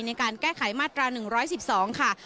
ในการแก้ไขมาตรา๑๑๒ค่ะ